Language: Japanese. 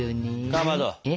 かまど！